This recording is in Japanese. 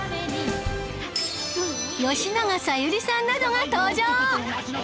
吉永小百合さんなどが登場！